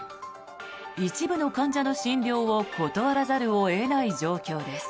一部の患者の診療を断らざるを得ない状況です。